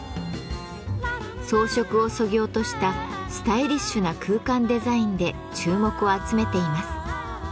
装飾をそぎ落としたスタイリッシュな空間デザインで注目を集めています。